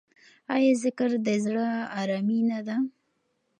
آیا ذکر د زړه ارامي نه ده؟